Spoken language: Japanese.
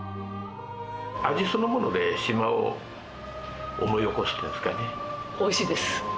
味そのもので島を思い起こすおいしいです。